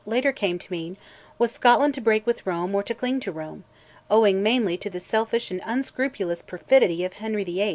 later came to mean, Was Scotland to break with Rome or to cling to Rome? Owing mainly to the selfish and unscrupulous perfidy of Henry VIII.